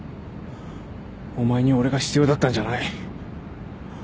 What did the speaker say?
お前に俺が必要だったんじゃない。